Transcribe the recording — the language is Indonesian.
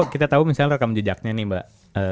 kita tahu misalnya rekam jejaknya nih mbak